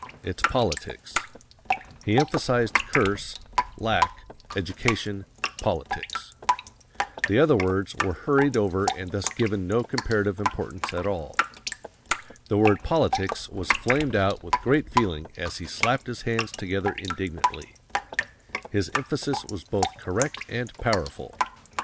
It's politics." He emphasized curse, lack, education, politics. The other words were hurried over and thus given no comparative importance at all. The word politics was flamed out with great feeling as he slapped his hands together indignantly. His emphasis was both correct and powerful.